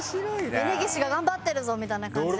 「峯岸が頑張ってるぞ」みたいな感じで